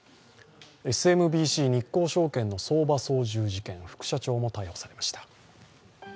ＳＭＢＣ日興証券の相場操縦事件、副社長も逮捕されました。